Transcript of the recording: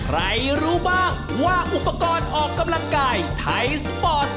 รู้บ้างว่าอุปกรณ์ออกกำลังกายไทยสปอร์ต